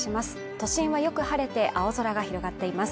都心はよく晴れて青空が広がっています